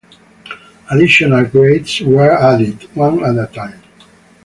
Additional grades were added one at a time.